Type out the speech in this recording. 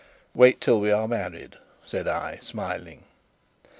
"Wait till we are married," said I, smiling.